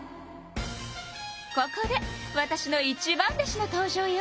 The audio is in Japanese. ここでわたしの一番弟子の登場よ。